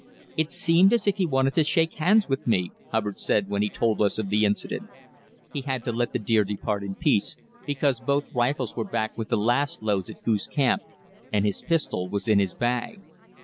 "It seemed as if he wanted to shake hands with me," Hubbard said when he told us of the incident. He had to let the deer depart in peace, because both rifles were back with the last loads at Goose Camp, and his pistol was in his bag.